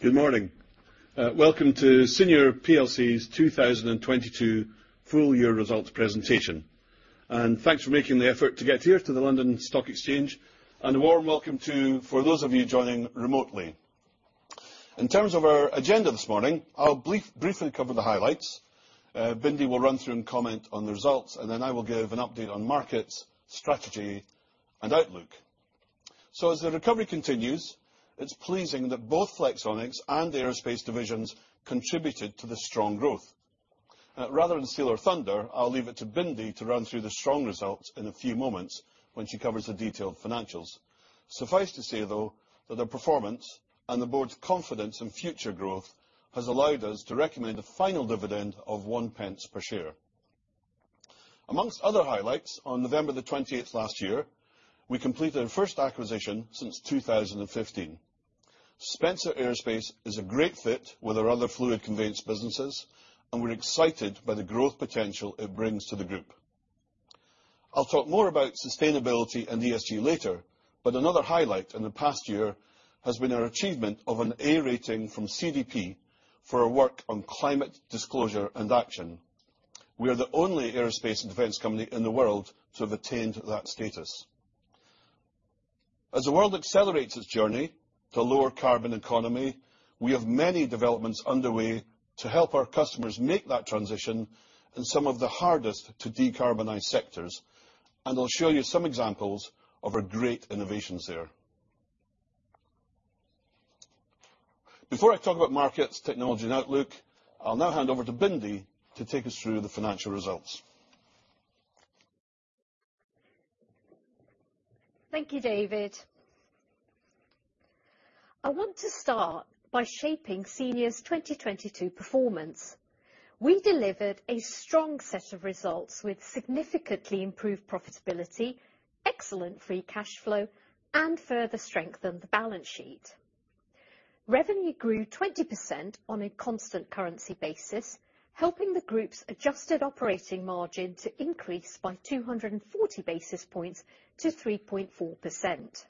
Good morning. Welcome to Senior plc's 2022 full year results presentation. Thanks for making the effort to get here to the London Stock Exchange, and a warm welcome to for those of you joining remotely. In terms of our agenda this morning, I'll briefly cover the highlights, Bindi will run through and comment on the results, and then I will give an update on markets, strategy, and outlook. As the recovery continues, it's pleasing that both Flexonics and Aerospace divisions contributed to the strong growth. Rather than steal her thunder, I'll leave it to Bindi to run through the strong results in a few moments when she covers the detailed financials. Suffice to say though, that her performance and the board's confidence in future growth has allowed us to recommend a final dividend of 0.01 per share. Amongst other highlights, on November 28th last year, we completed our first acquisition since 2015. Spencer Aerospace is a great fit with our other fluid conveyance businesses, we're excited by the growth potential it brings to the group. I'll talk more about sustainability and ESG later, another highlight in the past year has been our achievement of an A rating from CDP for our work on climate disclosure and action. We are the only aerospace and defense company in the world to have attained that status. As the world accelerates its journey to lower carbon economy, we have many developments underway to help our customers make that transition in some of the hardest to decarbonize sectors, I'll show you some examples of our great innovations there. Before I talk about markets, technology and outlook, I'll now hand over to Bindi to take us through the financial results. Thank you, David. I want to start by shaping Senior's 2022 performance. We delivered a strong set of results with significantly improved profitability, excellent free cash flow, and further strengthened the balance sheet. Revenue grew 20% on a constant currency basis, helping the group's adjusted operating margin to increase by 240 basis points to 3.4%.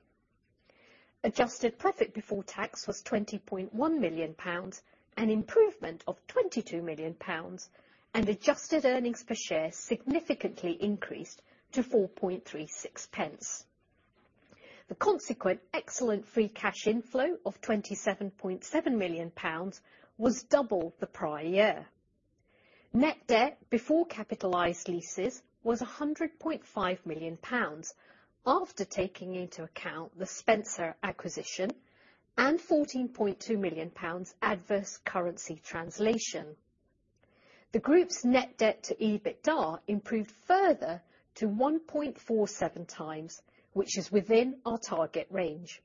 Adjusted profit before tax was 20.1 million pounds, an improvement of 22 million pounds, and adjusted earnings per share significantly increased to 4.36 pence. The consequent excellent free cash inflow of 27.7 million pounds was double the prior year. Net debt before capitalized leases was 100.5 million pounds after taking into account the Spencer acquisition and 14.2 million pounds adverse currency translation. The group's net debt to EBITDA improved further to 1.47 times, which is within our target range.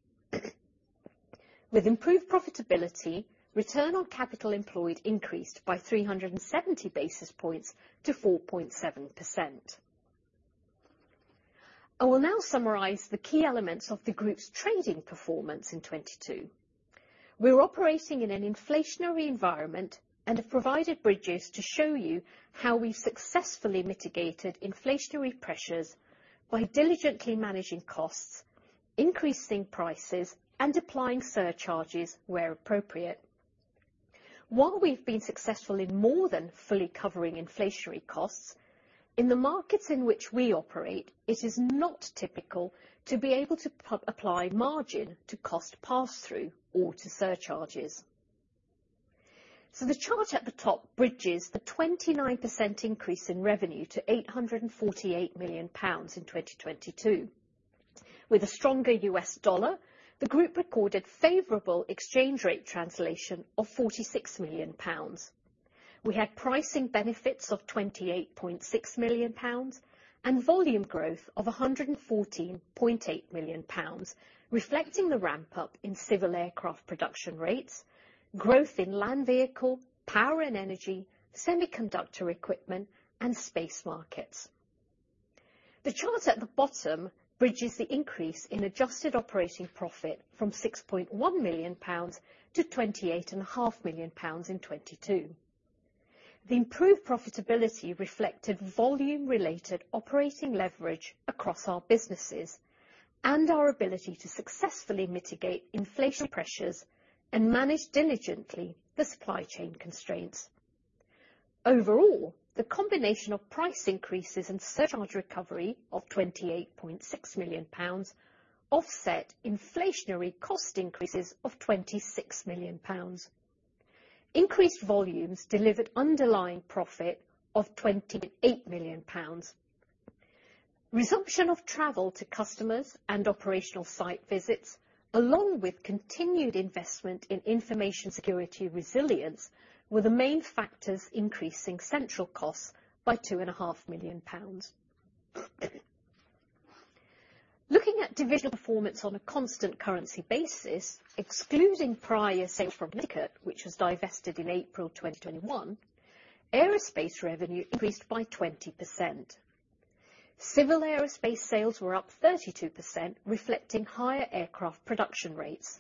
With improved profitability, return on capital employed increased by 370 basis points to 4.7%. I will now summarize the key elements of the group's trading performance in 2022. We're operating in an inflationary environment and have provided bridges to show you how we've successfully mitigated inflationary pressures by diligently managing costs, increasing prices, and applying surcharges where appropriate. While we've been successful in more than fully covering inflationary costs, in the markets in which we operate, it is not typical to be able to apply margin to cost pass-through or to surcharges. The chart at the top bridges the 29% increase in revenue to 848 million pounds in 2022. With a stronger U.S. dollar, the group recorded favorable exchange rate translation of 46 million pounds. We had pricing benefits of 28.6 million pounds and volume growth of 114.8 million pounds, reflecting the ramp-up in civil aircraft production rates, growth in land vehicle, power and energy, semiconductor equipment, and space markets. The charts at the bottom bridges the increase in adjusted operating profit from 6.1 million pounds to 28.5 million pounds in 2022. The improved profitability reflected volume-related operating leverage across our businesses and our ability to successfully mitigate inflation pressures and manage diligently the supply chain constraints. Overall, the combination of price increases and surcharge recovery of GBP 28.6 million offset inflationary cost increases of GBP 26 million. Increased volumes delivered underlying profit of GBP 28 million. Resumption of travel to customers and operational site visits, along with continued investment in information security resilience, were the main factors increasing central costs by 2.5 million pounds. Looking at divisional performance on a constant currency basis, excluding prior sales from Connecticut, which was divested in April 2021, aerospace revenue increased by 20%. Civil aerospace sales were up 32%, reflecting higher aircraft production rates.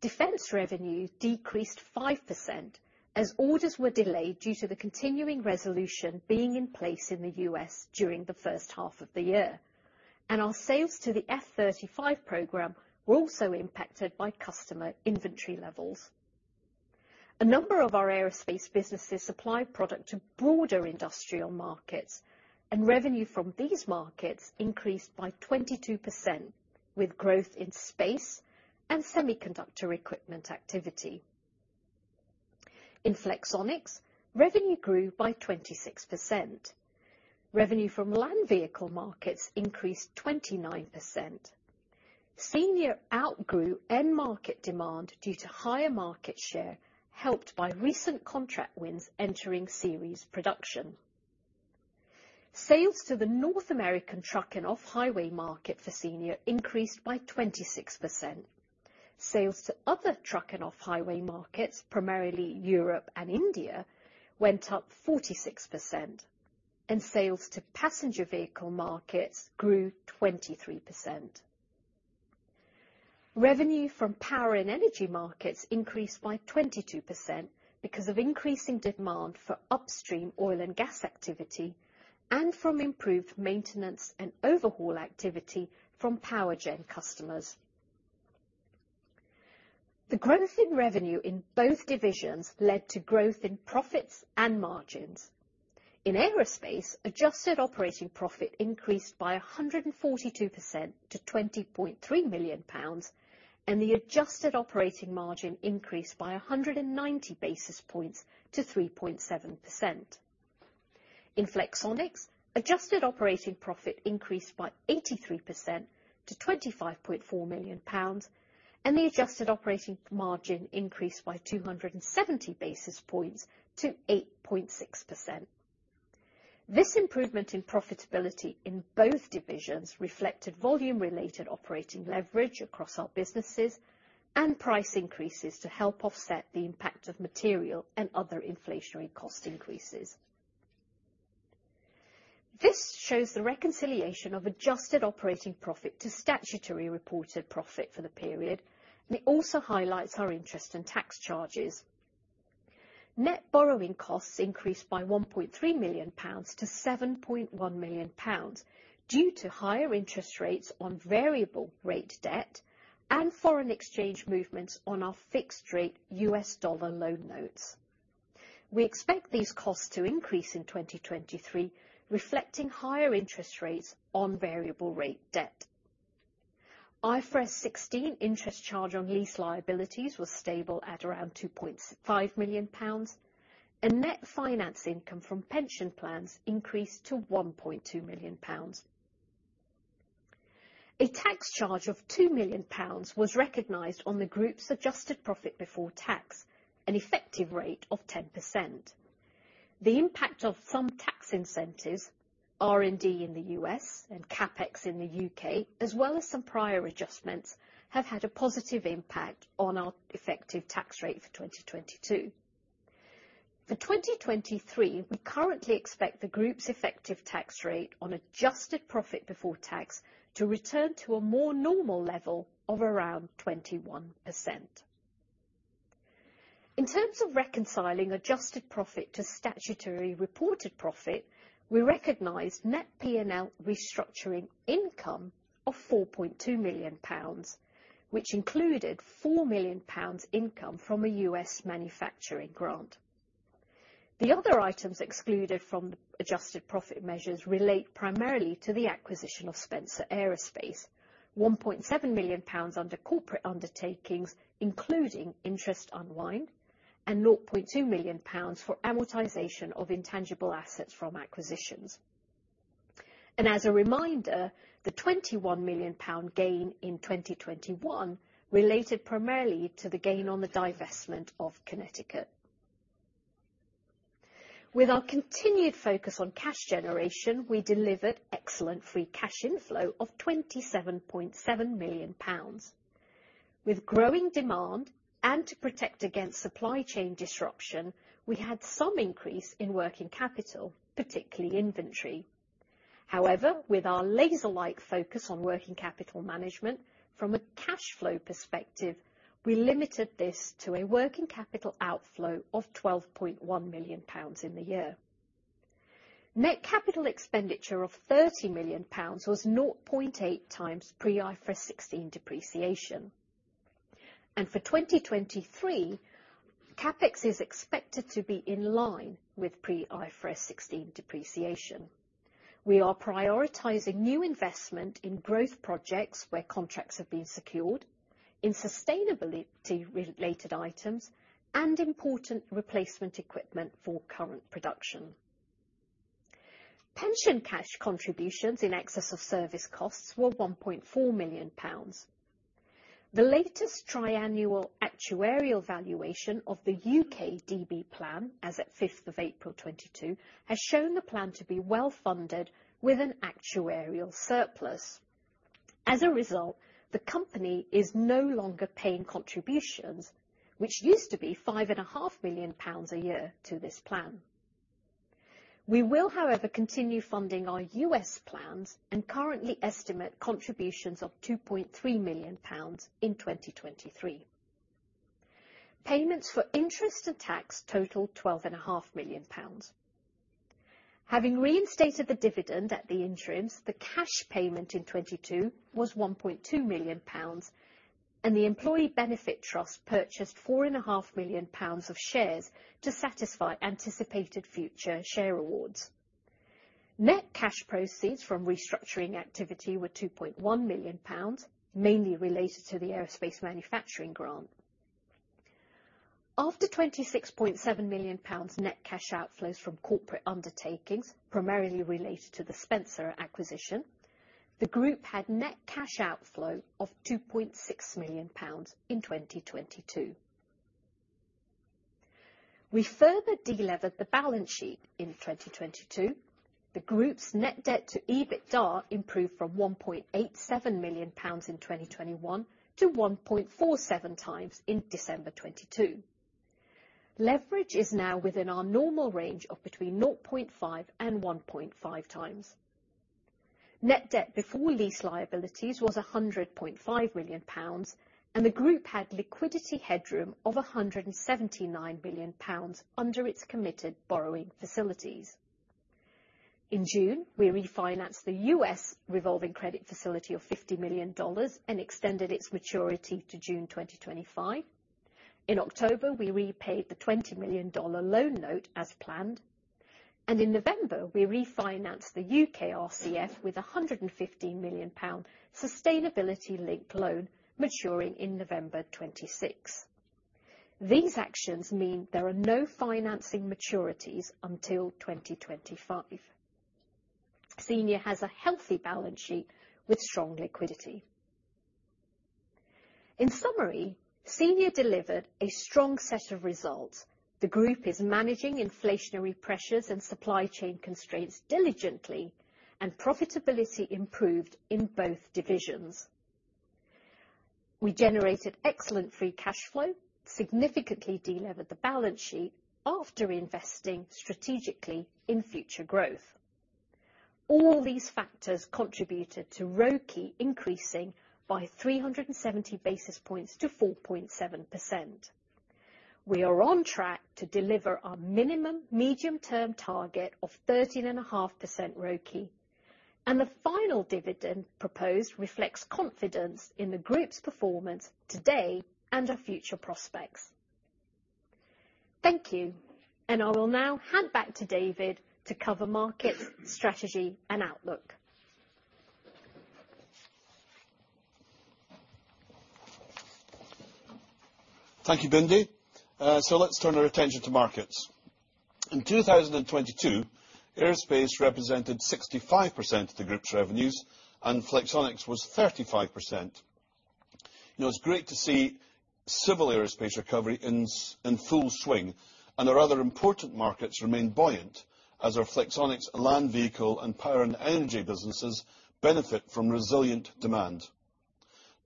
Defense revenue decreased 5% as orders were delayed due to the continuing resolution being in place in the U.S. during the first half of the year. Our sales to the F-35 program were also impacted by customer inventory levels. A number of our aerospace businesses supply product to broader industrial markets, and revenue from these markets increased by 22% with growth in space and semiconductor equipment activity. In Flexonics, revenue grew by 26%. Revenue from land vehicle markets increased 29%. Senior outgrew end market demand due to higher market share, helped by recent contract wins entering series production. Sales to the North American truck and off-highway market for Senior increased by 26%. Sales to other truck and off-highway markets, primarily Europe and India, went up 46%, and sales to passenger vehicle markets grew 23%. Revenue from power and energy markets increased by 22% because of increasing demand for upstream oil and gas activity and from improved maintenance and overhaul activity from Powergen customers. The growth in revenue in both divisions led to growth in profits and margins. In aerospace, adjusted operating profit increased by 142% to 20.3 million pounds, and the adjusted operating margin increased by 190 basis points to 3.7%. In Flexonics, adjusted operating profit increased by 83% to 25.4 million pounds. The adjusted operating margin increased by 270 basis points to 8.6%. This improvement in profitability in both divisions reflected volume related operating leverage across our businesses and price increases to help offset the impact of material and other inflationary cost increases. This shows the reconciliation of adjusted operating profit to statutory reported profit for the period. It also highlights our interest in tax charges. Net borrowing costs increased by 1.3 million pounds to 7.1 million pounds due to higher interest rates on variable rate debt and foreign exchange movements on our fixed rate US dollar loan notes. We expect these costs to increase in 2023, reflecting higher interest rates on variable rate debt. IFRS 16 interest charge on lease liabilities was stable at around 2.5 million pounds, and net finance income from pension plans increased to 1.2 million pounds. A tax charge of 2 million pounds was recognized on the group's adjusted profit before tax, an effective rate of 10%. The impact of some tax incentives, R&D in the U.S. and CapEx in the U.K., as well as some prior adjustments, have had a positive impact on our effective tax rate for 2022. For 2023, we currently expect the group's effective tax rate on adjusted profit before tax to return to a more normal level of around 21%. In terms of reconciling adjusted profit to statutory reported profit, we recognized net P&L restructuring income of 4.2 million pounds, which included 4 million pounds income from a U.S. manufacturing grant. The other items excluded from the adjusted profit measures relate primarily to the acquisition of Spencer Aerospace, 1.7 million pounds under corporate undertakings, including interest unwind, and 0.2 million pounds for amortization of intangible assets from acquisitions. As a reminder, the 21 million pound gain in 2021 related primarily to the gain on the divestment of Connecticut. With our continued focus on cash generation, we delivered excellent free cash inflow of 27.7 million pounds. With growing demand and to protect against supply chain disruption, we had some increase in working capital, particularly inventory. However, with our laser-like focus on working capital management from a cash flow perspective, we limited this to a working capital outflow of 12.1 million pounds in the year. Net capital expenditure of 30 million pounds was 0.8 times pre IFRS 16 depreciation. For 2023, CapEx is expected to be in line with pre IFRS 16 depreciation. We are prioritizing new investment in growth projects where contracts have been secured, in sustainability related items, and important replacement equipment for current production. Pension cash contributions in excess of service costs were 1.4 million pounds. The latest triannual actuarial valuation of the UK DB plan as at 5th of April 2022, has shown the plan to be well-funded with an actuarial surplus. As a result, the company is no longer paying contributions, which used to be five and a half million pounds a year to this plan. We will, however, continue funding our US plans and currently estimate contributions of 2.3 million pounds in 2023. Payments for interest and tax total 12 and a half million pounds. Having reinstated the dividend at the interims, the cash payment in 2022 was 1.2 million pounds and the employee benefit trust purchased four and a half million pounds of shares to satisfy anticipated future share awards. Net cash proceeds from restructuring activity were 2.1 million pounds, mainly related to the aerospace manufacturing grant. After 26.7 million pounds net cash outflows from corporate undertakings, primarily related to the Spencer acquisition, the group had net cash outflow of 2.6 million pounds in 2022. We further delevered the balance sheet in 2022. The group's net debt to EBITDA improved from 1.87 million pounds in 2021 to 1.47 times in December 2022. Leverage is now within our normal range of between 0.5 and 1.5 times. Net debt before lease liabilities was 100.5 million pounds. The group had liquidity headroom of 179 million pounds under its committed borrowing facilities. In June, we refinanced the U.S. revolving credit facility of $50 million and extended its maturity to June 2025. In October, we repaid the $20 million loan note as planned. In November, we refinanced the U.K. RCF with a GBP 115 million sustainability-linked loan maturing in November 2026. These actions mean there are no financing maturities until 2025. Senior has a healthy balance sheet with strong liquidity. In summary, Senior delivered a strong set of results. The group is managing inflationary pressures and supply chain constraints diligently. Profitability improved in both divisions. We generated excellent free cash flow, significantly delevered the balance sheet after investing strategically in future growth. All these factors contributed to ROCE increasing by 370 basis points to 4.7%. We are on track to deliver our minimum medium-term target of 13.5% ROCE, and the final dividend proposed reflects confidence in the group's performance today and our future prospects. Thank you, and I will now hand back to David to cover markets, strategy, and outlook. Thank you, Bindi. Let's turn our attention to markets. In 2022, aerospace represented 65% of the group's revenues and Flexonics was 35%. You know, it's great to see civil aerospace recovery in full swing and our other important markets remain buoyant as our Flexonics land vehicle and power and energy businesses benefit from resilient demand.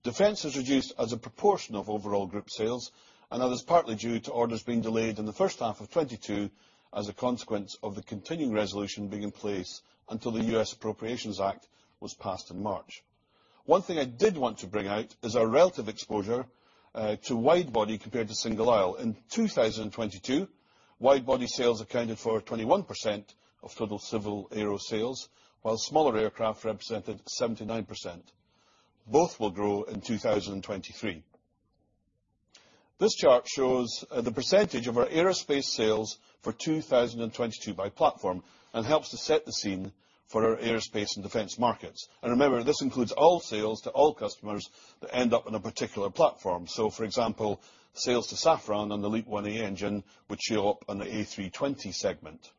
Defense has reduced as a proportion of overall group sales, and that was partly due to orders being delayed in the first half of 2022 as a consequence of the continuing resolution being in place until the U.S. Appropriations Act was passed in March. One thing I did want to bring out is our relative exposure to wide-body compared to single-aisle. In 2022, wide-body sales accounted for 21% of total civil aero sales, while smaller aircraft represented 79%. Both will grow in 2023. This chart shows the percentage of our aerospace sales for 2022 by platform and helps to set the scene for our aerospace and defense markets. Remember, this includes all sales to all customers that end up on a particular platform. For example, sales to Safran on the LEAP-1A engine would show up on the A320 segment.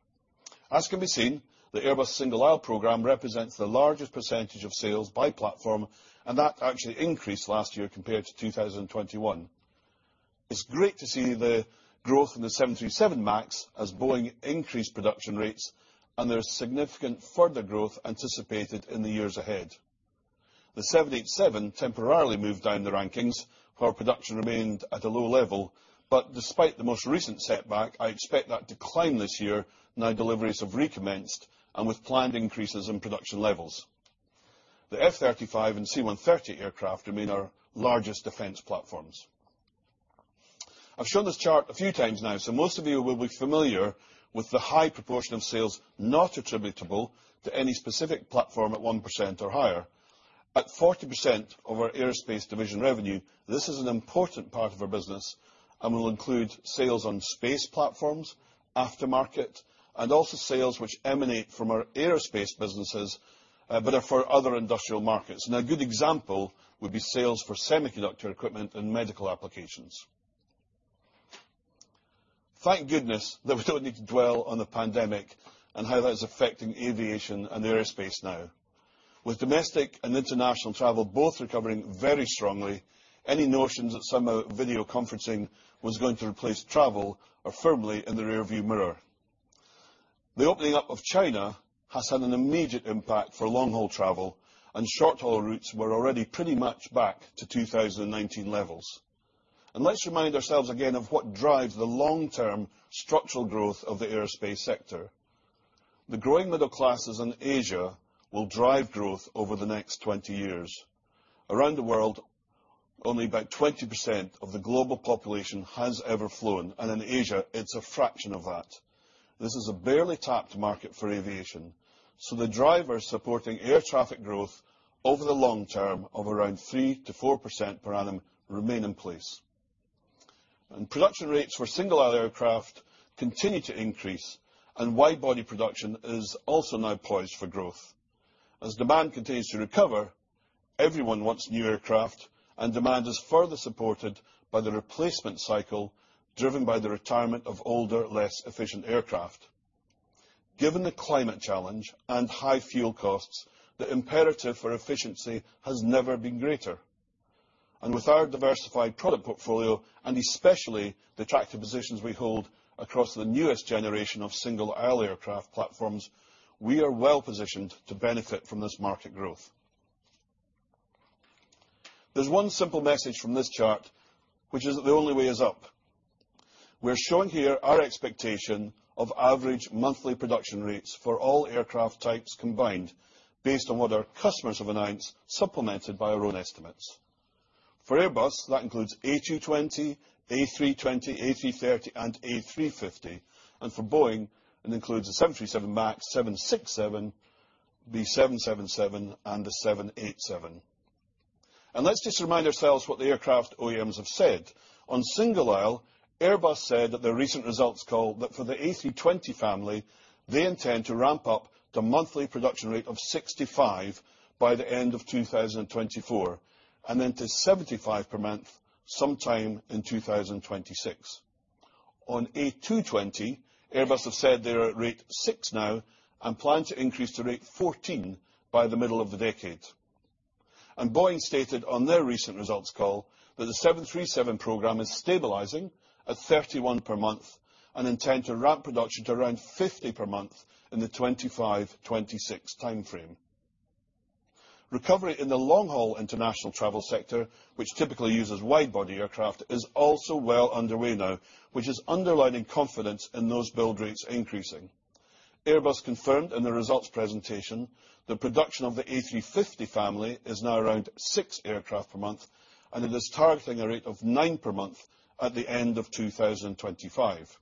As can be seen, the Airbus single-aisle program represents the largest percentage of sales by platform, and that actually increased last year compared to 2021. It's great to see the growth in the 737 MAX as Boeing increased production rates and there's significant further growth anticipated in the years ahead. The 787 temporarily moved down the rankings, while production remained at a low level. Despite the most recent setback, I expect that to climb this year, now deliveries have recommenced and with planned increases in production levels. The F-35 and C-130 aircraft remain our largest defense platforms. I've shown this chart a few times now, so most of you will be familiar with the high proportion of sales not attributable to any specific platform at 1% or higher. At 40% of our aerospace division revenue, this is an important part of our business and will include sales on space platforms, aftermarket, and also sales which emanate from our aerospace businesses, but are for other industrial markets. A good example would be sales for semiconductor equipment and medical applications. Thank goodness that we don't need to dwell on the pandemic and how that is affecting aviation and aerospace now. With domestic and international travel both recovering very strongly, any notions that somehow video conferencing was going to replace travel are firmly in the rearview mirror. The opening up of China has had an immediate impact for long-haul travel, and short-haul routes were already pretty much back to 2019 levels. Let's remind ourselves again of what drives the long-term structural growth of the aerospace sector. The growing middle classes in Asia will drive growth over the next 20 years. Around the world, only about 20% of the global population has ever flown, and in Asia, it's a fraction of that. This is a barely tapped market for aviation, so the drivers supporting air traffic growth over the long term of around 3%-4% per annum remain in place. Production rates for single-aisle aircraft continue to increase, and wide-body production is also now poised for growth. As demand continues to recover, everyone wants new aircraft, and demand is further supported by the replacement cycle driven by the retirement of older, less efficient aircraft. Given the climate challenge and high fuel costs, the imperative for efficiency has never been greater. With our diversified product portfolio, and especially the attractive positions we hold across the newest generation of single-aisle aircraft platforms, we are well-positioned to benefit from this market growth. There's one simple message from this chart, which is that the only way is up. We're showing here our expectation of average monthly production rates for all aircraft types combined based on what our customers have announced, supplemented by our own estimates. For Airbus, that includes A220, A320, A330, and A350, and for Boeing, it includes the 737 MAX, 767, the 777, and the 787. Let's just remind ourselves what the aircraft OEMs have said. On single aisle, Airbus said at their recent results call that for the A320 family, they intend to ramp up to monthly production rate of 65 by the end of 2024, and then to 75 per month sometime in 2026. On A220, Airbus have said they're at rate 6 now and plan to increase to rate 14 by the middle of the decade. Boeing stated on their recent results call that the 737 program is stabilizing at 31 per month and intend to ramp production to around 50 per month in the 2025, 2026 timeframe. Recovery in the long-haul international travel sector, which typically uses wide-body aircraft, is also well underway now, which is underlining confidence in those build rates increasing. Airbus confirmed in the results presentation that production of the A350 family is now around 6 aircraft per month, and it is targeting a rate of 9 per month at the end of 2025.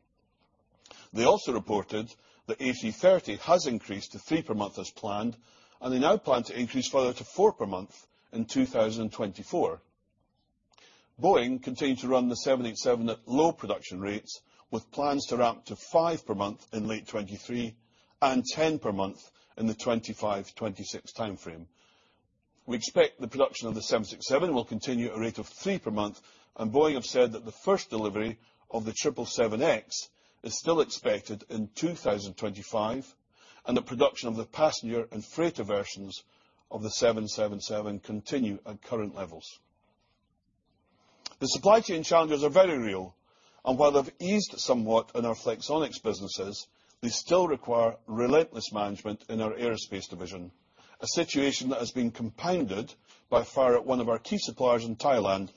They also reported that A330 has increased to 3 per month as planned, and they now plan to increase further to 4 per month in 2024. Boeing continue to run the 787 at low production rates, with plans to ramp to 5 per month in late 2023 and 10 per month in the 2025-2026 timeframe. We expect the production of the 767 will continue at a rate of three per month, and Boeing have said that the first delivery of the 777X is still expected in 2025, and the production of the passenger and freighter versions of the 777 continue at current levels. The supply chain challenges are very real, and while they've eased somewhat in our Flexonics businesses, they still require relentless management in our aerospace division, a situation that has been compounded by a fire at one of our key suppliers in Thailand,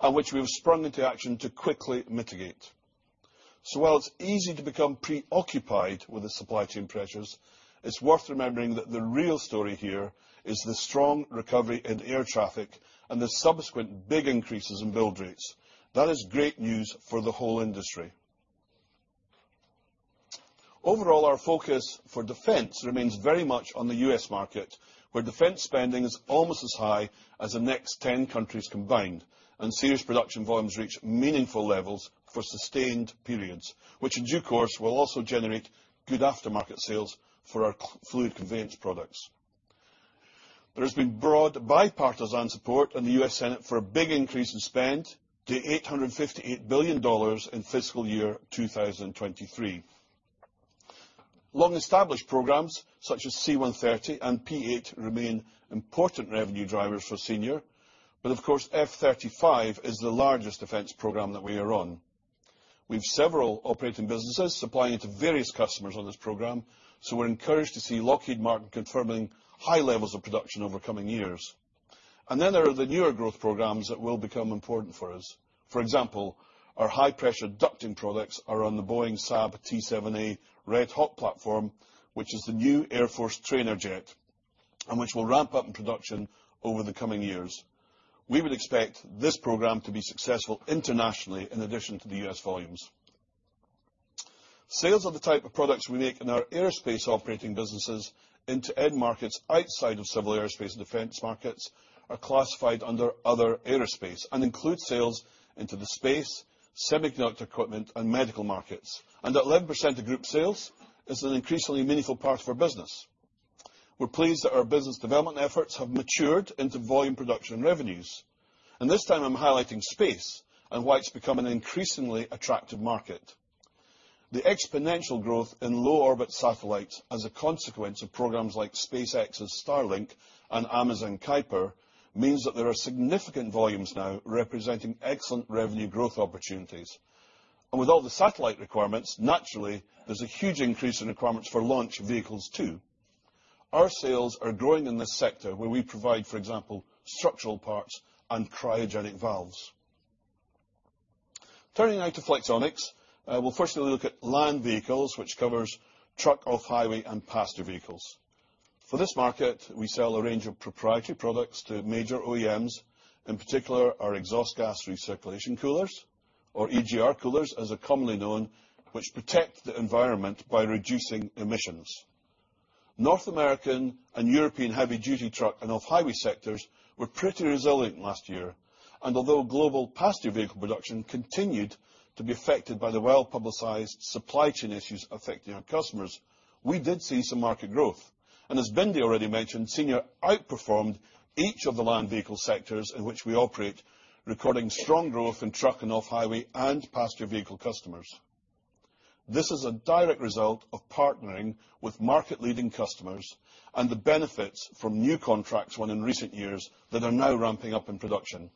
and which we have sprung into action to quickly mitigate. While it's easy to become preoccupied with the supply chain pressures, it's worth remembering that the real story here is the strong recovery in air traffic and the subsequent big increases in build rates. That is great news for the whole industry. Overall, our focus for defense remains very much on the U.S. market, where defense spending is almost as high as the next 10 countries combined, and Senior production volumes reach meaningful levels for sustained periods, which in due course will also generate good aftermarket sales for our fluid conveyance products. There has been broad bipartisan support in the U.S. Senate for a big increase in spend to $858 billion in fiscal year 2023. Long-established programs such as C-130 and P-8 remain important revenue drivers for Senior, but of course F-35 is the largest defense program that we are on. We have several operating businesses supplying to various customers on this program, so we're encouraged to see Lockheed Martin confirming high levels of production over coming years. There are the newer growth programs that will become important for us. For example, our high-pressure ducting products are on the Boeing-Saab T-7A Red Hawk platform, which is the new Air Force trainer jet, which will ramp up in production over the coming years. We would expect this program to be successful internationally in addition to the U.S. volumes. Sales of the type of products we make in our aerospace operating businesses into end markets outside of civil aerospace and defense markets are classified under other aerospace and include sales into the space, semiconductor equipment, and medical markets. At 11% of group sales is an increasingly meaningful part of our business. We're pleased that our business development efforts have matured into volume production revenues. This time I'm highlighting space and why it's become an increasingly attractive market. The exponential growth in low orbit satellites as a consequence of programs like SpaceX's Starlink and Amazon Kuiper means that there are significant volumes now representing excellent revenue growth opportunities. With all the satellite requirements, naturally, there's a huge increase in requirements for launch vehicles too. Our sales are growing in this sector where we provide, for example, structural parts and cryogenic valves. Turning now to Flexonics, we'll firstly look at land vehicles, which covers truck, off-highway and passenger vehicles. For this market, we sell a range of proprietary products to major OEMs, in particular our exhaust gas recirculation coolers, or EGR coolers as they're commonly known, which protect the environment by reducing emissions. North American and European heavy-duty truck and off-highway sectors were pretty resilient last year, although global passenger vehicle production continued to be affected by the well-publicized supply chain issues affecting our customers, we did see some market growth. As Bindi already mentioned, Senior outperformed each of the land vehicle sectors in which we operate, recording strong growth in truck and off-highway and passenger vehicle customers. This is a direct result of partnering with market-leading customers and the benefits from new contracts won in recent years that are now ramping up in production.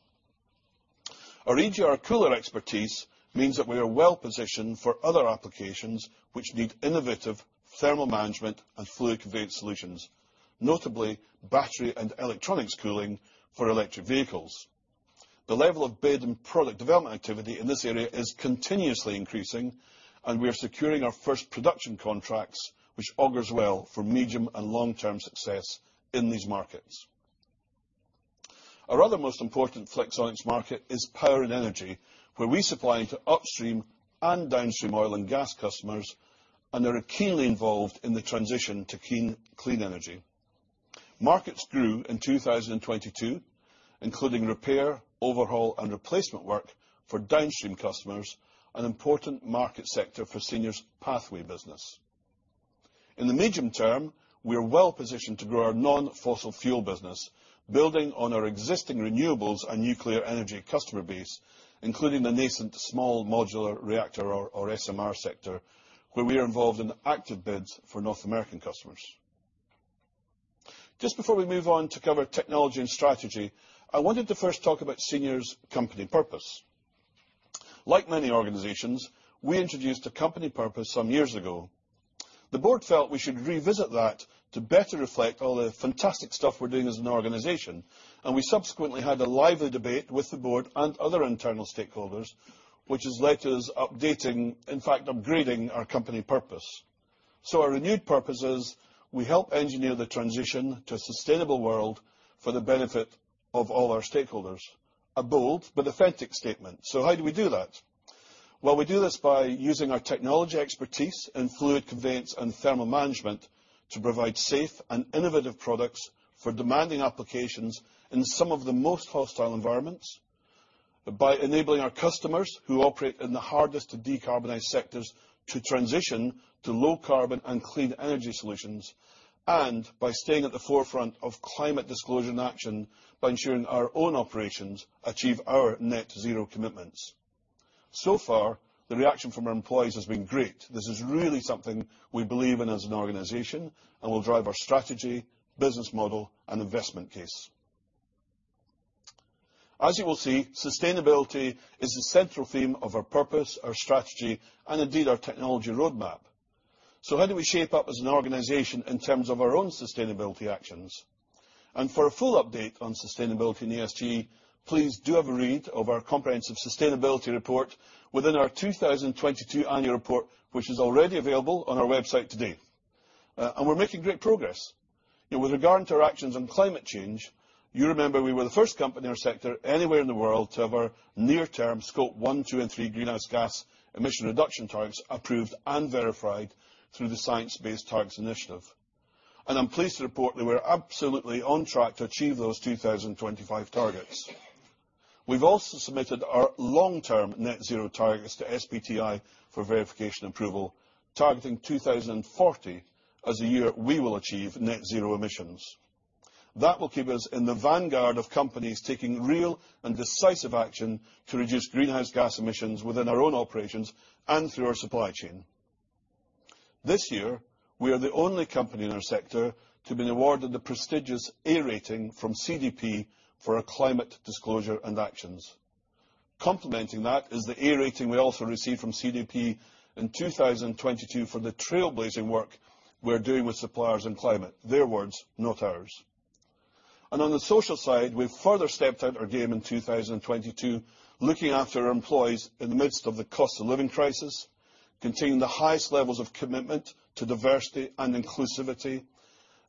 Our EGR cooler expertise means that we are well positioned for other applications which need innovative thermal management and fluid conveyed solutions, notably battery and electronics cooling for electric vehicles. The level of bid and product development activity in this area is continuously increasing, and we are securing our first production contracts, which augurs well for medium and long-term success in these markets. Our other most important Flexonics market is power and energy, where we supply to upstream and downstream oil and gas customers and are keenly involved in the transition to clean energy. Markets grew in 2022, including repair, overhaul and replacement work for downstream customers, an important market sector for Senior's Pathway business. In the medium term, we are well-positioned to grow our non-fossil fuel business, building on our existing renewables and nuclear energy customer base, including the nascent small modular reactor or SMR sector, where we are involved in active bids for North American customers. Just before we move on to cover technology and strategy, I wanted to first talk about Senior's company purpose. Like many organizations, we introduced a company purpose some years ago. The board felt we should revisit that to better reflect all the fantastic stuff we're doing as an organization, and we subsequently had a lively debate with the board and other internal stakeholders, which has led to us updating, in fact, upgrading our company purpose. Our renewed purpose is we help engineer the transition to a sustainable world for the benefit of all our stakeholders. A bold but authentic statement. How do we do that? Well, we do this by using our technology expertise and fluid conveyance and thermal management to provide safe and innovative products for demanding applications in some of the most hostile environments by enabling our customers, who operate in the hardest to decarbonize sectors, to transition to low carbon and clean energy solutions, and by staying at the forefront of climate disclosure and action by ensuring our own operations achieve our net zero commitments. Far, the reaction from our employees has been great. This is really something we believe in as an organization and will drive our strategy, business model and investment case. As you will see, sustainability is the central theme of our purpose, our strategy, and indeed our technology roadmap. How do we shape up as an organization in terms of our own sustainability actions? For a full update on sustainability and ESG, please do have a read of our comprehensive sustainability report within our 2022 annual report, which is already available on our website today. We're making great progress. With regard to our actions on climate change, you remember we were the first company in our sector anywhere in the world to have our near term Scope 1, 2 and 3 greenhouse gas emission reduction targets approved and verified through the Science Based Targets initiative. I'm pleased to report that we're absolutely on track to achieve those 2025 targets. We've also submitted our long-term net zero targets to SBTi for verification approval, targeting 2040 as the year we will achieve net zero emissions. That will keep us in the vanguard of companies taking real and decisive action to reduce greenhouse gas emissions within our own operations and through our supply chain. This year, we are the only company in our sector to have been awarded the prestigious A rating from CDP for our climate disclosure and actions. Complementing that is the A rating we also received from CDP in 2022 for the trailblazing work we're doing with suppliers and climate. Their words, not ours. On the social side, we've further stepped up our game in 2022, looking after our employees in the midst of the cost of living crisis, continuing the highest levels of commitment to diversity and inclusivity,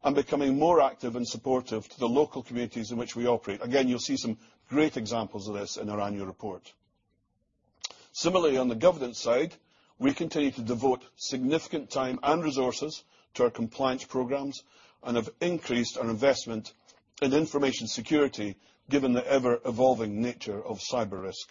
and becoming more active and supportive to the local communities in which we operate. Again, you'll see some great examples of this in our annual report. Similarly, on the governance side, we continue to devote significant time and resources to our compliance programs and have increased our investment in information security given the ever-evolving nature of cyber risk.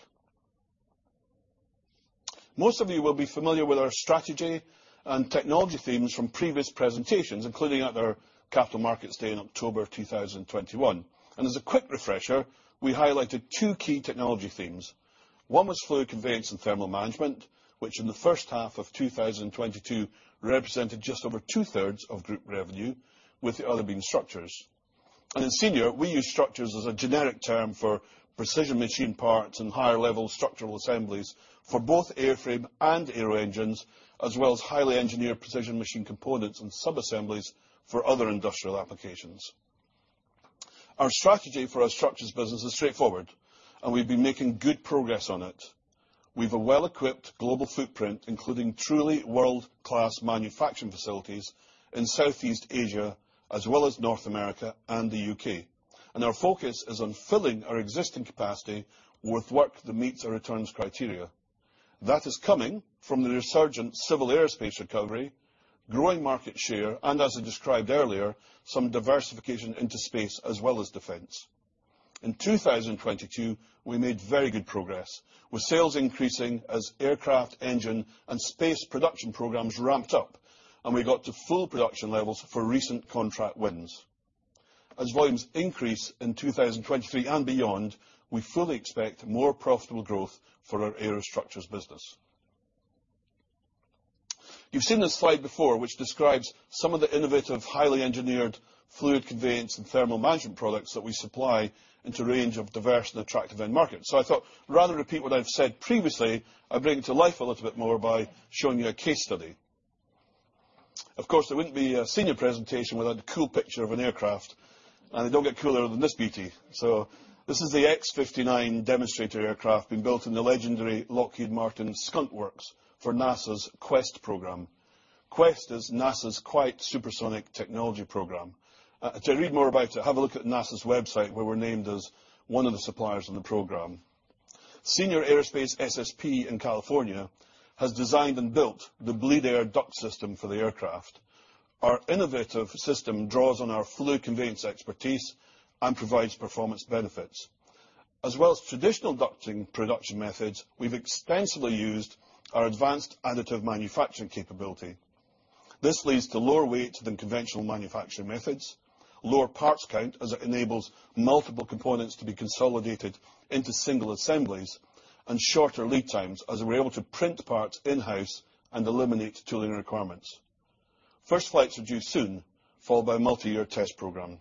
Most of you will be familiar with our strategy and technology themes from previous presentations, including at our Capital Markets Day in October of 2021. As a quick refresher, we highlighted two key technology themes. One was fluid conveyance and thermal management, which in the first half of 2022 represented just over 2/3 of group revenue, with the other being structures. In Senior, we use structures as a generic term for precision machine parts and higher level structural assemblies for both airframe and aero engines, as well as highly engineered precision machine components and sub-assemblies for other industrial applications. Our strategy for our structures business is straightforward, and we've been making good progress on it. We've a well-equipped global footprint, including truly world-class manufacturing facilities in Southeast Asia, as well as North America and the U.K. Our focus is on filling our existing capacity with work that meets or returns criteria. That is coming from the resurgent civil aerospace recovery, growing market share, and as I described earlier, some diversification into space as well as defense. In 2022, we made very good progress, with sales increasing as aircraft engine and space production programs ramped up, and we got to full production levels for recent contract wins. As volumes increase in 2023 and beyond, we fully expect more profitable growth for our aerostructures business. You've seen this slide before, which describes some of the innovative, highly engineered fluid conveyance and thermal management products that we supply into a range of diverse and attractive end markets. I thought rather repeat what I've said previously, I'd bring it to life a little bit more by showing you a case study. Of course, there wouldn't be a Senior presentation without a cool picture of an aircraft, and they don't get cooler than this beauty. This is the X-59 demonstrator aircraft being built in the legendary Lockheed Martin Skunk Works for NASA's QueSST program. QueSST is NASA's quite supersonic technology program. To read more about it, have a look at NASA's website, where we're named as one of the suppliers on the program. Senior Aerospace SSP in California has designed and built the bleed air duct system for the aircraft. Our innovative system draws on our fluid conveyance expertise and provides performance benefits. As well as traditional ducting production methods, we've extensively used our advanced additive manufacturing capability. This leads to lower weights than conventional manufacturing methods, lower parts count as it enables multiple components to be consolidated into single assemblies, and shorter lead times as we're able to print parts in-house and eliminate tooling requirements. First flights are due soon, followed by a multi-year test program.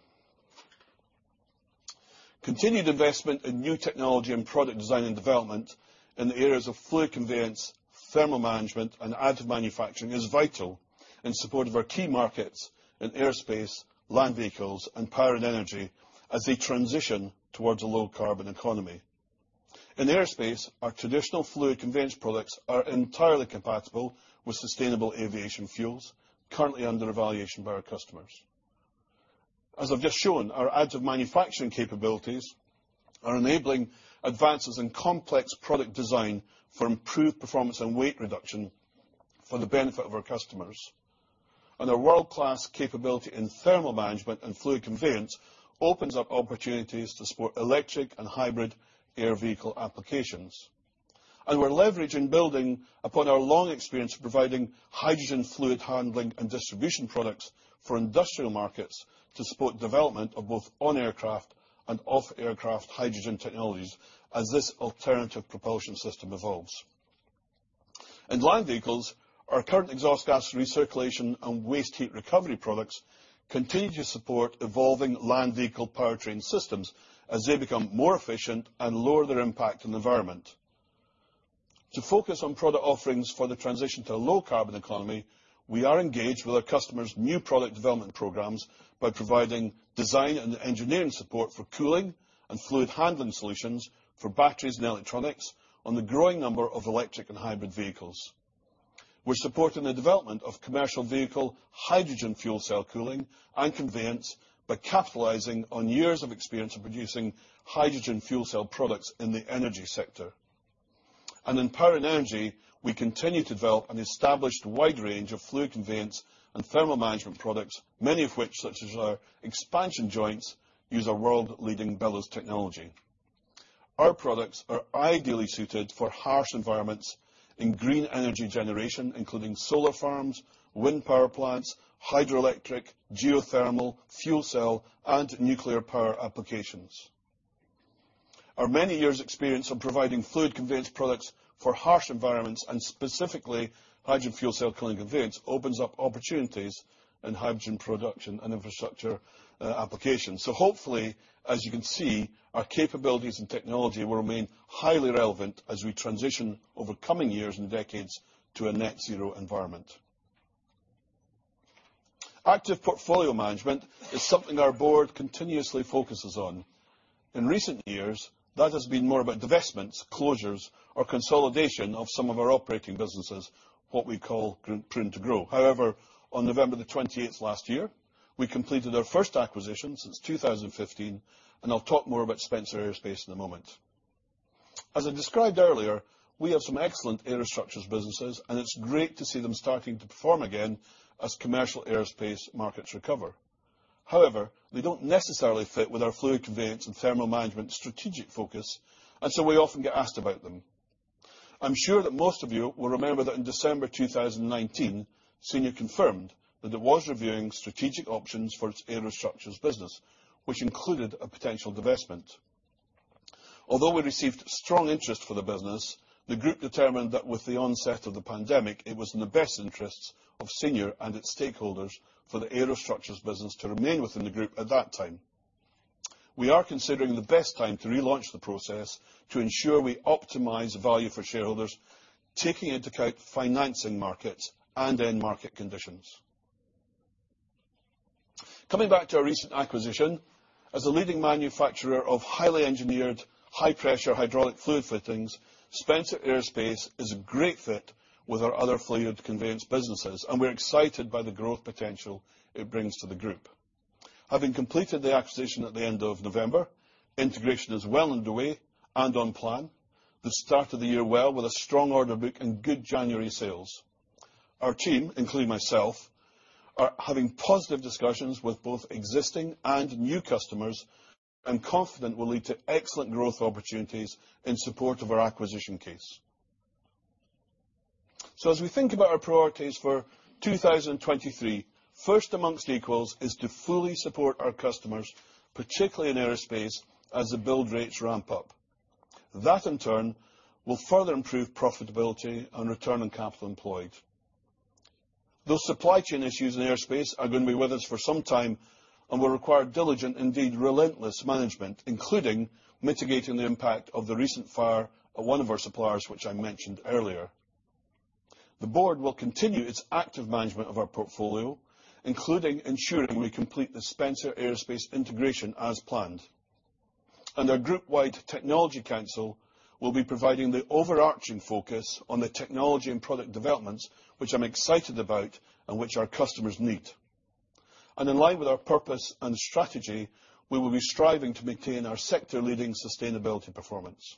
Continued investment in new technology and product design and development in the areas of fluid conveyance, thermal management, and additive manufacturing is vital in support of our key markets in airspace, land vehicles, and power and energy as they transition towards a low-carbon economy. In airspace, our traditional fluid conveyance products are entirely compatible with sustainable aviation fuels currently under evaluation by our customers. As I've just shown, our additive manufacturing capabilities are enabling advances in complex product design for improved performance and weight reduction for the benefit of our customers. Our world-class capability in thermal management and fluid conveyance opens up opportunities to support electric and hybrid air vehicle applications. We're leveraging building upon our long experience of providing hydrogen fluid handling and distribution products for industrial markets to support development of both on-aircraft and off-aircraft hydrogen technologies as this alternative propulsion system evolves. In land vehicles, our current exhaust gas recirculation and waste heat recovery products continue to support evolving land vehicle powertrain systems as they become more efficient and lower their impact on the environment. To focus on product offerings for the transition to a low-carbon economy, we are engaged with our customers' new product development programs by providing design and engineering support for cooling and fluid handling solutions for batteries and electronics on the growing number of electric and hybrid vehicles. We're supporting the development of commercial vehicle hydrogen fuel cell cooling and conveyance by capitalizing on years of experience of producing hydrogen fuel cell products in the energy sector. In power and energy, we continue to develop an established wide range of fluid conveyance and thermal management products, many of which, such as our expansion joints, use our world-leading bellows technology. Our products are ideally suited for harsh environments in green energy generation, including solar farms, wind power plants, hydroelectric, geothermal, fuel cell, and nuclear power applications. Our many years' experience of providing fluid conveyance products for harsh environments, and specifically hydrogen fuel cell cooling conveyance, opens up opportunities in hydrogen production and infrastructure applications. Hopefully, as you can see, our capabilities and technology will remain highly relevant as we transition over coming years and decades to a net zero environment. Active portfolio management is something our board continuously focuses on. In recent years, that has been more about divestments, closures, or consolidation of some of our operating businesses, what we call prune to grow. However, on November 28th last year, we completed our first acquisition since 2015, and I'll talk more about Spencer Aerospace in a moment. As I described earlier, we have some excellent aerostructures businesses, and it's great to see them starting to perform again as commercial aerospace markets recover. They don't necessarily fit with our fluid conveyance and thermal management strategic focus, we often get asked about them. I'm sure that most of you will remember that in December 2019, Senior confirmed that it was reviewing strategic options for its Aerostructures business, which included a potential divestment. We received strong interest for the business, the group determined that with the onset of the pandemic, it was in the best interests of Senior and its stakeholders for the Aerostructures business to remain within the group at that time. We are considering the best time to relaunch the process to ensure we optimize value for shareholders, taking into account financing markets and end market conditions. Coming back to our recent acquisition. As a leading manufacturer of highly engineered, high-pressure hydraulic fluid fittings, Spencer Aerospace is a great fit with our other fluid conveyance businesses, and we're excited by the growth potential it brings to the group. Having completed the acquisition at the end of November, integration is well underway and on plan. The start of the year well with a strong order book and good January sales. Our team, including myself, are having positive discussions with both existing and new customers, and confident will lead to excellent growth opportunities in support of our acquisition case. As we think about our priorities for 2023, first amongst equals is to fully support our customers, particularly in aerospace, as the build rates ramp up. That in turn will further improve profitability and return on capital employed. Those supply chain issues in aerospace are going to be with us for some time and will require diligent, indeed relentless management, including mitigating the impact of the recent fire at one of our suppliers, which I mentioned earlier. The board will continue its active management of our portfolio, including ensuring we complete the Spencer Aerospace integration as planned. Our group-wide technology council will be providing the overarching focus on the technology and product developments, which I'm excited about and which our customers need. In line with our purpose and strategy, we will be striving to maintain our sector-leading sustainability performance.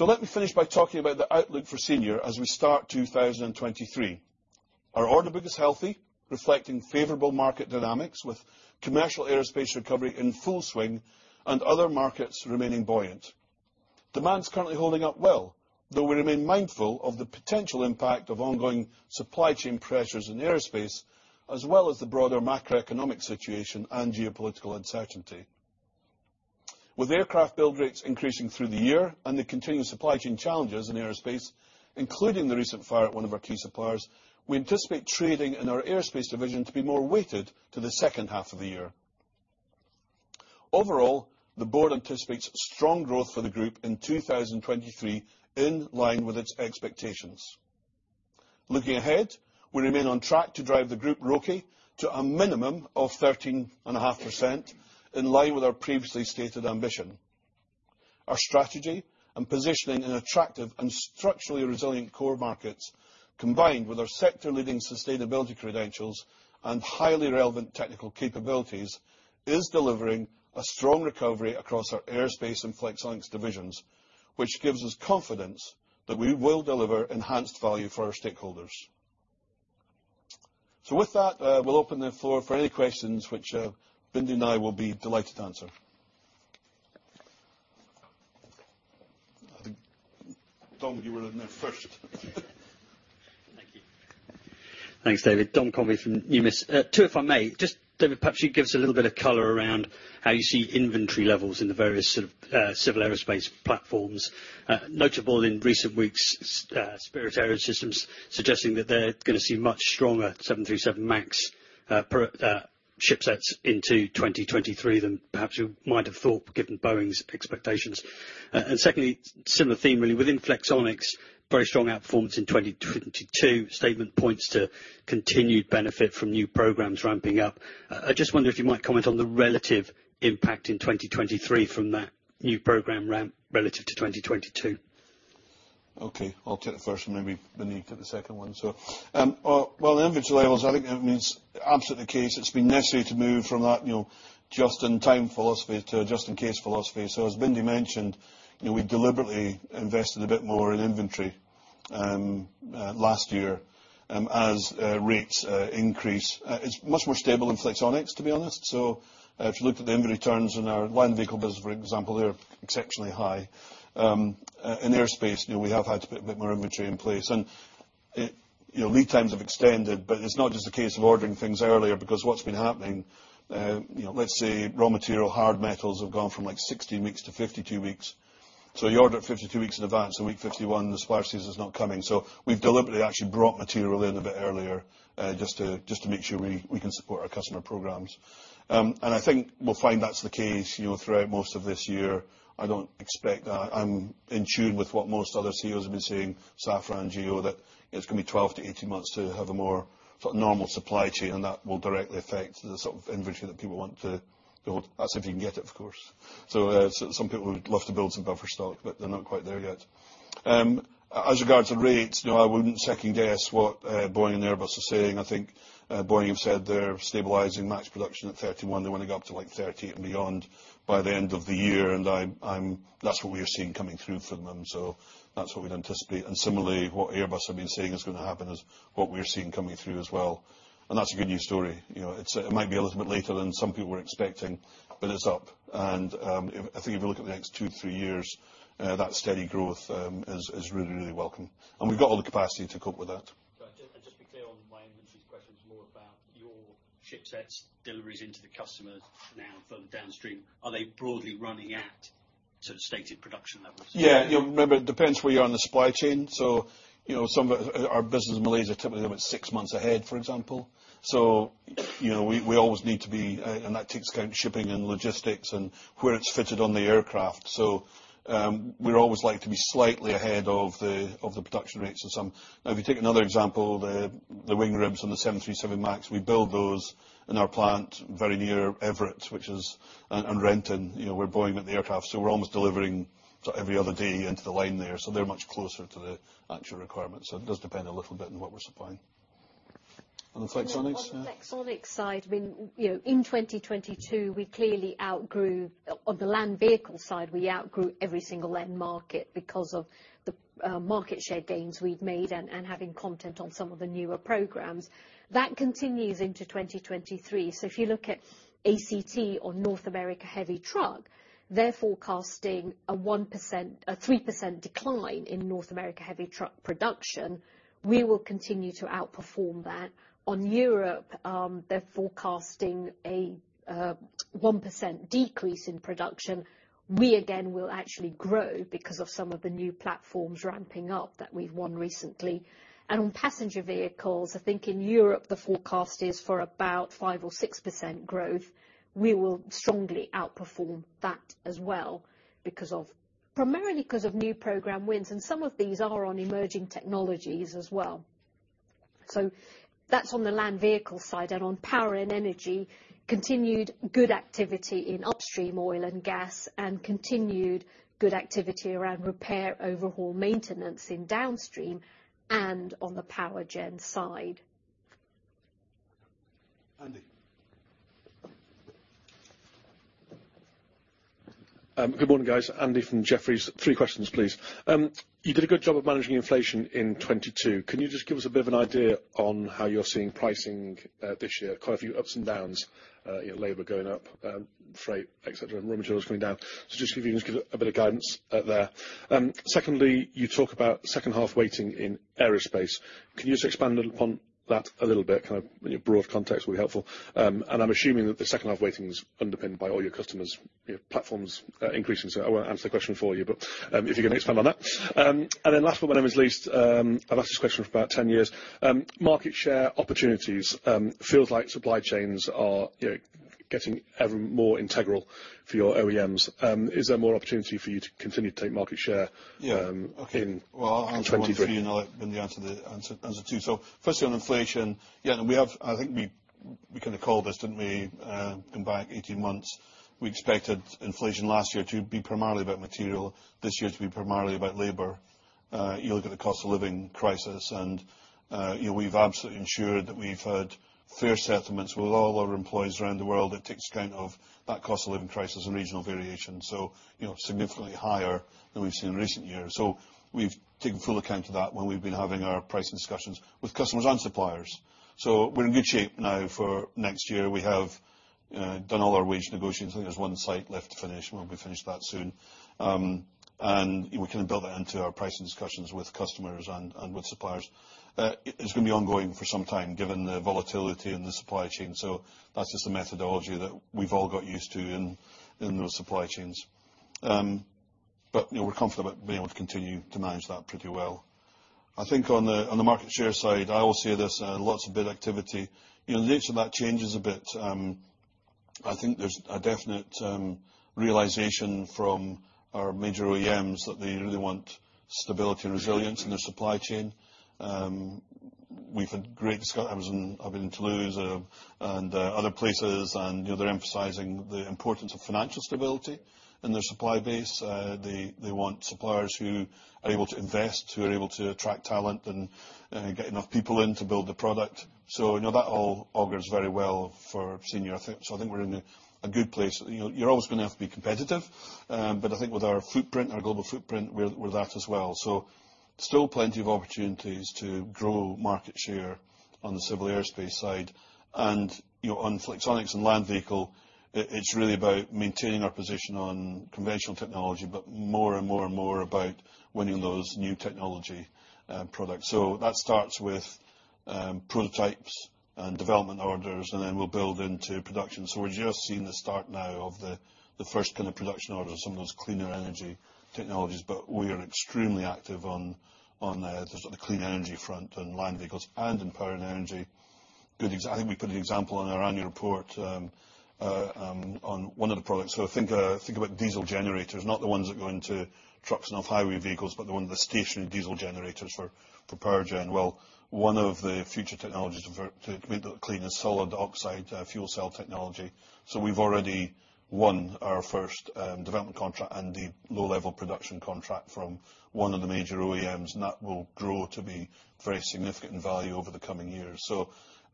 Let me finish by talking about the outlook for Senior as we start 2023. Our order book is healthy, reflecting favorable market dynamics with commercial aerospace recovery in full swing and other markets remaining buoyant. Demand is currently holding up well, though we remain mindful of the potential impact of ongoing supply chain pressures in aerospace, as well as the broader macroeconomic situation and geopolitical uncertainty. With aircraft build rates increasing through the year and the continued supply chain challenges in aerospace, including the recent fire at one of our key suppliers, we anticipate trading in our aerospace division to be more weighted to the second half of the year. Overall, the board anticipates strong growth for the group in 2023, in line with its expectations. Looking ahead, we remain on track to drive the group ROCE to a minimum of 13.5%, in line with our previously stated ambition. Our strategy and positioning in attractive and structurally resilient core markets, combined with our sector-leading sustainability credentials and highly relevant technical capabilities, is delivering a strong recovery across our aerospace and Flexonics divisions, which gives us confidence that we will deliver enhanced value for our stakeholders. With that, we'll open the floor for any questions which Bindi and I will be delighted to answer. Dom, you were there first. Thank you. Thanks, David. Dom Edridge from Numis. Two if I may. Just, David, perhaps you can give us a little bit of color around how you see inventory levels in the various sort of civil aerospace platforms. Notable in recent weeks, Spirit AeroSystems suggesting that they're gonna see much stronger 737 MAX per ship sets into 2023 than perhaps you might have thought, given Boeing's expectations. Secondly, similar theme really. Within Flexonics, very strong outperformance in 2022. Statement points to continued benefit from new programs ramping up. I just wonder if you might comment on the relative impact in 2023 from that new program ramp relative to 2022. Okay, I'll take the first and maybe Bindi will take the second one. Well, inventory levels, I think it means absolutely the case. It's been necessary to move from that, you know, just-in-time philosophy to a just-in-case philosophy. As Bindi mentioned, you know, we deliberately invested a bit more in inventory last year, as rates increase. It's much more stable in Flexonics, to be honest. If you looked at the inventory turns in our land vehicle business, for example, they're exceptionally high. In aerospace, you know, we have had to put a bit more inventory in place. Lead times have extended, but it's not just a case of ordering things earlier because what's been happening, you know, let's say raw material, hard metals have gone from like 16 weeks to 52 weeks. You order it 52 weeks in advance and week 51, the supplier says it's not coming. We've deliberately actually brought material in a bit earlier, just to make sure we can support our customer programs. I think we'll find that's the case, you know, throughout most of this year. I'm in tune with what most other CEOs have been saying, Safran and GE, that it's gonna be 12 to 18 months to have a more normal supply chain, and that will directly affect the sort of inventory that people want to build. That's if you can get it, of course. So some people would love to build some buffer stock, but they're not quite there yet. As regards to rates, you know, I wouldn't second-guess what Boeing and Airbus are saying. I think Boeing have said they're stabilizing MAX production at 31. They wanna go up to like 30 and beyond by the end of the year. That's what we are seeing coming through from them. So that's what we'd anticipate. Similarly, what Airbus have been saying is gonna happen is what we're seeing coming through as well. That's a good news story. You know, it's, it might be a little bit later than some people were expecting, but it's up. If, I think if you look at the next two, three years, that steady growth is really, really welcome. We've got all the capacity to cope with that. Ship sets deliveries into the customer now from downstream, are they broadly running at sort of stated production levels? Yeah. You know, remember, it depends where you are on the supply chain. You know, some of our business in Malaysia typically about six months ahead, for example. You know, we always need to be, and that takes account shipping and logistics and where it's fitted on the aircraft. We're always like to be slightly ahead of the production rates of some. Now, if you take another example, the wing ribs on the 737 MAX, we build those in our plant very near Everett which is and Renton, you know, where Boeing with the aircraft. We're almost delivering sort of every other day into the line there. They're much closer to the actual requirements. It does depend a little bit on what we're supplying. On the Flexonics, yeah. On the Flexonics side, when, you know, in 2022, we clearly outgrew on the land vehicle side every single end market because of the market share gains we'd made and having content on some of the newer programs. That continues into 2023. If you look at ACT or North America heavy truck, they're forecasting a 3% decline in North America heavy truck production. We will continue to outperform that. On Europe, they're forecasting a 1% decrease in production. We again will actually grow because of some of the new platforms ramping up that we've won recently. On passenger vehicles, I think in Europe, the forecast is for about 5% or 6% growth. We will strongly outperform that as well primarily because of new program wins, and some of these are on emerging technologies as well. That's on the land vehicle side. On power and energy, continued good activity in upstream oil and gas, and continued good activity around repair, overhaul, maintenance in downstream and on the Powergen side. Andy. Good morning, guys. Andy from Jefferies. 3 questions, please. You did a good job of managing inflation in 2022. Can you just give us a bit of an idea on how you're seeing pricing this year? Quite a few ups and downs, you know, labor going up, freight, et cetera, and raw materials going down. Just see if you can just give a bit of guidance there. Secondly, you talk about second half waiting in aerospace. Can you just expand upon that a little bit? Kind of any broad context will be helpful. I'm assuming that the second half waiting is underpinned by all your customers, you know, platforms increasing. I won't answer the question for you, but if you can expand on that. Last but not least, I've asked this question for about 10 years. Market share opportunities, feels like supply chains are, you know, getting even more integral for your OEMs. Is there more opportunity for you to continue to take market share in 23? Yeah. Okay. Well, I'll answer 1, 3, and I'll then answer 2. Firstly on inflation, yeah, I think we kind of called this, didn't we, going back 18 months, we expected inflation last year to be primarily about material, this year to be primarily about labor. You look at the cost of living crisis and, you know, we've absolutely ensured that we've had fair settlements with all our employees around the world that takes account of that cost of living crisis and regional variation. You know, significantly higher than we've seen in recent years. We've taken full account to that when we've been having our pricing discussions with customers and suppliers. We're in good shape now for next year. We have done all our wage negotiations. I think there's one site left to finish, and we'll be finished that soon. We can build that into our pricing discussions with customers and with suppliers. It's gonna be ongoing for some time, given the volatility in the supply chain. That's just a methodology that we've all got used to in those supply chains. You know, we're confident being able to continue to manage that pretty well. I think on the market share side, I will say there's lots of bid activity. You know, the nature of that changes a bit. I think there's a definite realization from our major OEMs that they really want stability and resilience in their supply chain. We've had great discussions. I've been in Toulouse and other places, and, you know, they're emphasizing the importance of financial stability in their supply base. They, they want suppliers who are able to invest, who are able to attract talent and get enough people in to build the product. You know, that all augurs very well for Senior. I think we're in a good place. You know, you're always gonna have to be competitive. But I think with our footprint, our global footprint, we're that as well. Still plenty of opportunities to grow market share on the civil aerospace side. You know, on Flexonics and land vehicle, it's really about maintaining our position on conventional technology, but more and more about winning those new technology products. That starts with prototypes and development orders, and then we'll build into production. We're just seeing the start now of the first kind of production orders, some of those cleaner energy technologies. We are extremely active on the sort of clean energy front and land vehicles and in power and energy. Good, I think we put an example on our annual report on one of the products. Think about diesel generators, not the ones that go into trucks and off highway vehicles, but the stationary diesel generators for Powergen. One of the future technologies to make that clean is solid oxide fuel cell technology. We've already won our first development contract and the low-level production contract from one of the major OEMs, and that will grow to be very significant in value over the coming years.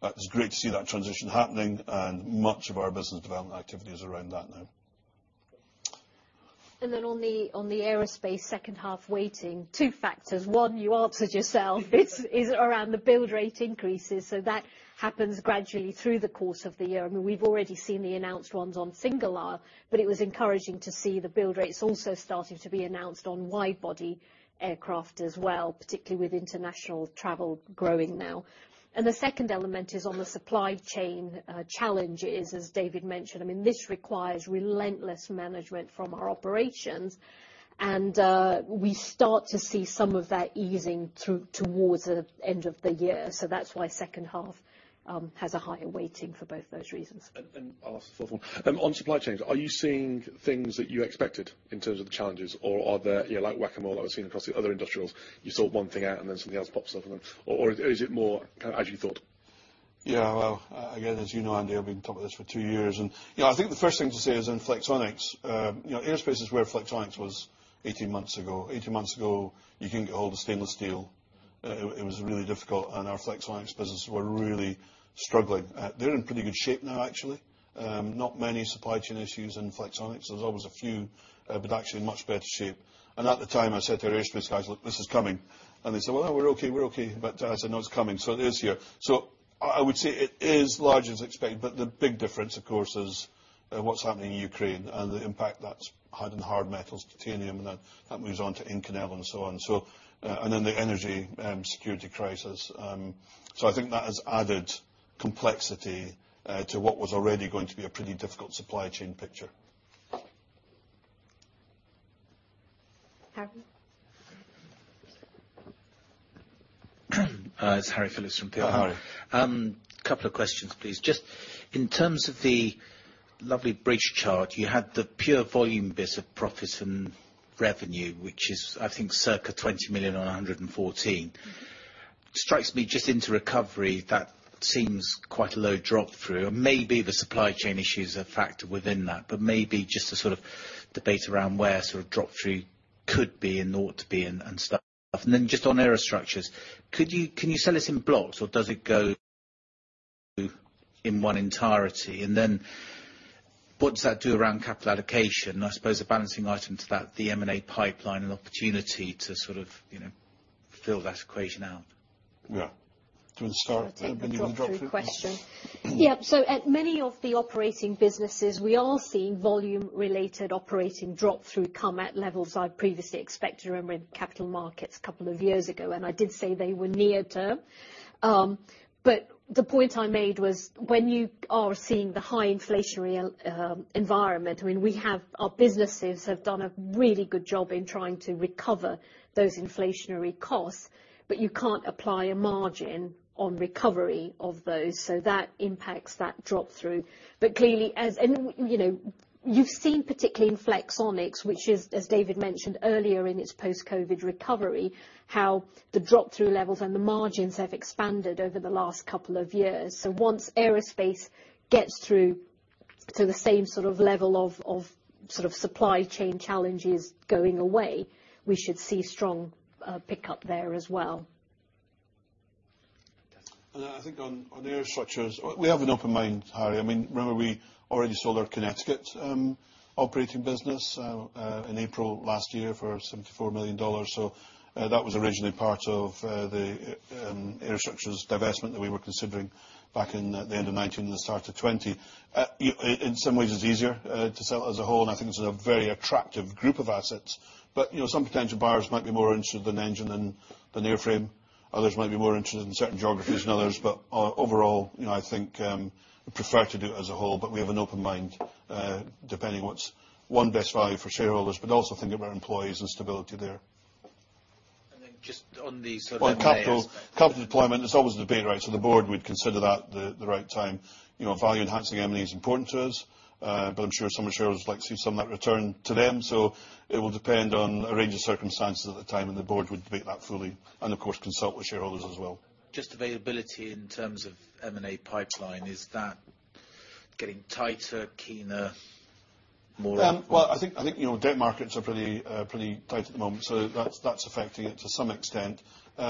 It's great to see that transition happening, and much of our business development activity is around that now. On the aerospace second half waiting, two factors. One, you answered yourself is around the build rate increases. That happens gradually through the course of the year. I mean, we've already seen the announced ones on single aisle, but it was encouraging to see the build rates also starting to be announced on wide body aircraft as well, particularly with international travel growing now. The second element is on the supply chain challenges, as David mentioned. I mean, this requires relentless management from our operations. We start to see some of that easing through towards the end of the year. That's why second half has a higher waiting for both those reasons. I'll ask the fourth one. On supply chains, are you seeing things that you expected in terms of the challenges? Are there, you know, like Whac-A-Mole that we're seeing across the other industrials, you sort one thing out, and then something else pops up? Is it more kind of as you thought? Well, again, as you know, Andy, I've been talking about this for two years. You know, I think the first thing to say is in Flexonics, you know, aerospace is where Flexonics was 18 months ago. 18 months ago, you couldn't get a hold of stainless steel. It was really difficult, and our Flexonics business were really struggling. They're in pretty good shape now actually. Not many supply chain issues in Flexonics. There's always a few, but actually in much better shape. At the time I said to the aerospace guys, "Look, this is coming." They said, "Well, we're okay, we're okay." I said, "No, it's coming." It is here. I would say it is large as expected, but the big difference, of course, is what's happening in Ukraine and the impact that's had on hard metals, titanium, and that moves on to Inconel and so on. And then the energy security crisis. I think that has added complexity to what was already going to be a pretty difficult supply chain picture. Harry? It's Harry Phillips from Peel Hunt. Hi, Harry. Couple of questions, please. Just in terms of the lovely bridge chart, you had the pure volume bit of profit and revenue, which is, I think, circa 20 million on 114. Strikes me just into recovery, that seems quite a low drop-through. Maybe the supply chain issue is a factor within that, but maybe just to sort of debate around where sort of drop-through could be and ought to be and stuff. Just on Aerostructures, can you sell this in blocks or does it go in one entirety? What does that do around capital allocation? I suppose a balancing item to that, the M&A pipeline and opportunity to sort of, you know, fill that equation out. Yeah. Do you wanna start? Should I take the drop-through question? You can drop through. Yep. At many of the operating businesses, we are seeing volume-related operating drop-through come at levels I've previously expected, remember in capital markets a couple of years ago, and I did say they were near-term. The point I made was when you are seeing the high inflationary environment, I mean, our businesses have done a really good job in trying to recover those inflationary costs, but you can't apply a margin on recovery of those, so that impacts that drop-through. Clearly, you know, you've seen particularly in Flexonics, which is, as David mentioned earlier in its post-COVID recovery, how the drop-through levels and the margins have expanded over the last couple of years. Once aerospace gets through to the same sort of level of sort of supply chain challenges going away, we should see strong pickup there as well. I think on Aerostructures, we have an open mind, Harry. I mean, remember we already sold our Connecticut operating business in April last year for $74 million. That was originally part of the Aerostructures divestment that we were considering back in the end of 2019 and the start of 2020. In some ways it's easier to sell it as a whole, and I think it's a very attractive group of assets. You know, some potential buyers might be more interested in engine than airframe. Others might be more interested in certain geographies than others. Overall, you know, I think, I prefer to do it as a whole, but we have an open mind, depending what's, one, best value for shareholders, but also think of our employees and stability there. Just on the sort of M&A aspect. On capital deployment, there's always a debate, right? The board would consider that the right time. You know, value enhancing M&A is important to us. I'm sure some shareholders like to see some of that return to them. It will depend on a range of circumstances at the time, and the board would debate that fully and of course consult with shareholders as well. Just availability in terms of M&A pipeline, is that getting tighter, keener, more like? Well, I think, you know, debt markets are pretty tight at the moment, so that's affecting it to some extent.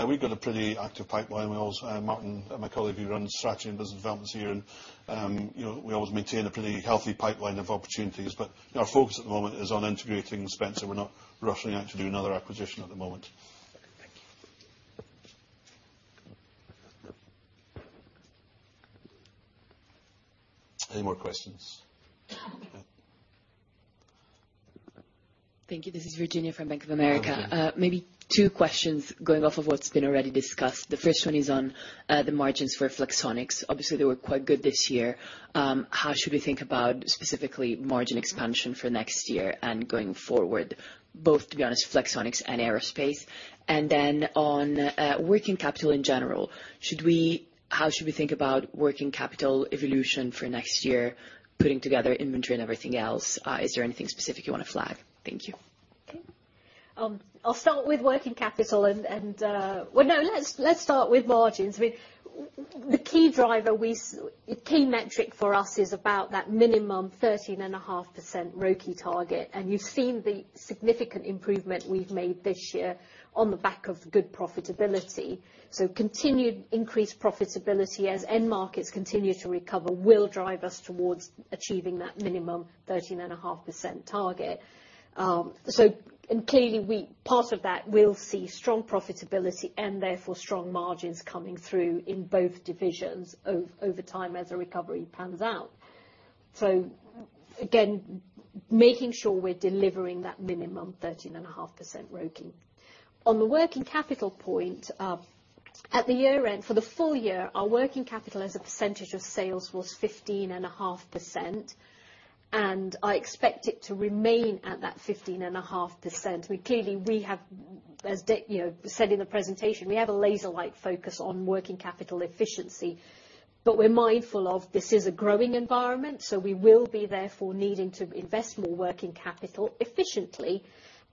We've got a pretty active pipeline. We always, Martin, my colleague who runs strategy and business developments here, and, you know, we always maintain a pretty healthy pipeline of opportunities. Our focus at the moment is on integrating Spencer. We're not rushing out to do another acquisition at the moment. Thank you. Any more questions? Okay. Thank you. This is Virginia from Bank of America. Hi, Virginia. Maybe two questions going off of what's been already discussed. The first one is on the margins for Flexonics. Obviously, they were quite good this year. How should we think about specifically margin expansion for next year and going forward, both to be honest, Flexonics and aerospace? On working capital in general, how should we think about working capital evolution for next year, putting together inventory and everything else? Is there anything specific you wanna flag? Thank you. Okay. I'll start with working capital and start with margins. I mean, the key metric for us is about that minimum 13.5% ROCE target, and you've seen the significant improvement we've made this year on the back of good profitability. Continued increased profitability as end markets continue to recover will drive us towards achieving that minimum 13.5% target. Clearly we, part of that will see strong profitability and therefore strong margins coming through in both divisions over time as the recovery pans out. Again, making sure we're delivering that minimum 13.5% ROCE. On the working capital point, at the year end, for the full year, our working capital as a percentage of sales was 15.5%, and I expect it to remain at that 15.5%. We clearly have, as Dave, you know, said in the presentation, a laser-like focus on working capital efficiency. We're mindful of this is a growing environment, so we will be therefore needing to invest more working capital efficiently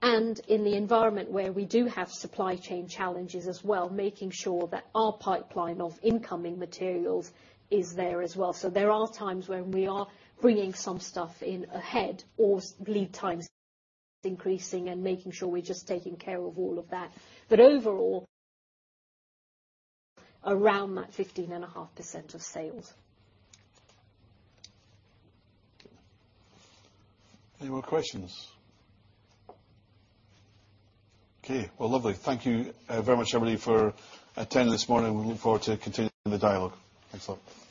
and in the environment where we do have supply chain challenges as well, making sure that our pipeline of incoming materials is there as well. There are times when we are bringing some stuff in ahead or lead times increasing and making sure we're just taking care of all of that. Overall, around that 15.5% of sales. Any more questions? Okay. Well, lovely. Thank you, very much, everybody, for attending this morning. We look forward to continuing the dialogue. Thanks a lot.